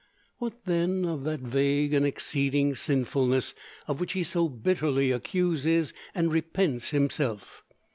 What, then, of that vague and exceeding sinfulness of which he so bitterly accuses and repents himself?